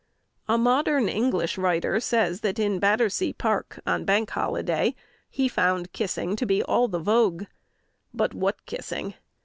A modern English writer says that in Battersea Park on bank holiday he found kissing to be all the vogue. "But what kissing!